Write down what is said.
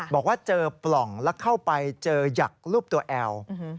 บอกว่าเจอปล่องแล้วเข้าไปเจอหยักรูปตัวแอล